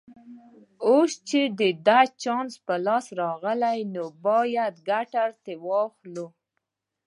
اوس چې دا چانس په لاس راغلی نو باید ګټه ترې واخلو